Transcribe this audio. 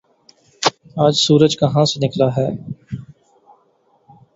آج سورج کہاں سے نکلا ہے